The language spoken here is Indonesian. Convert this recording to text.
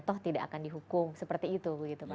toh tidak akan dihukum seperti itu begitu pak